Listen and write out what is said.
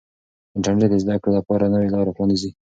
انټرنیټ د زده کړې لپاره نوې لارې پرانیزي.